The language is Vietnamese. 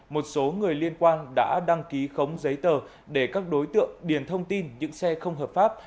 một số người liên quan đã đăng ký khống giấy tờ để các đối tượng điền thông tin những xe không hợp pháp